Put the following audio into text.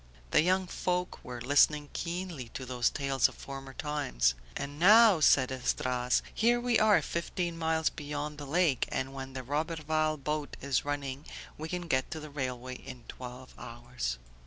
The young folk were listening keenly to these tales of former times. "And now," said Esdras, "here we are fifteen miles beyond the lake, and when the Roberval boat is running we can get to the railway in twelve hours."